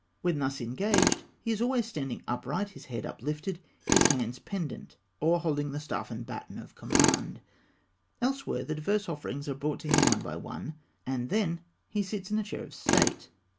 When thus engaged, he is always standing upright, his head uplifted, his hands pendent, or holding the staff and baton of command. Elsewhere, the diverse offerings are brought to him one by one, and then he sits in a chair of state.